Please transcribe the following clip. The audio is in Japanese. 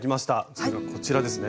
それがこちらですね。